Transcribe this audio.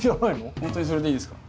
ほんとにそれでいいですか？